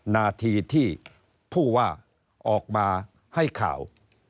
นาทีที่ผู้ว่าออกมาให้ข่าว